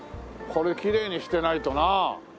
これきれいにしてないとなあ。